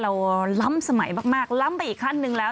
ล้ำสมัยมากล้ำไปอีกขั้นหนึ่งแล้ว